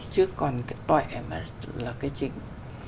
chứ còn cái tuệ là cái chính